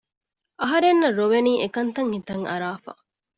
އަހަރެންނަށް ރޮވެނީ އެކަންތައް ހިތަށް އަރާފަ